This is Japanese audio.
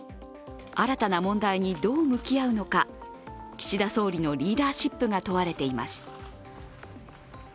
新たな問題にどう向き合うのか、岸田総理のリーダーシップが問われています。